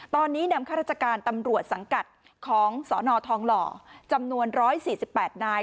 ตอนนี้นำข้าราชการตำรวจสังกัดของสนทองหล่อจำนวน๑๔๘นาย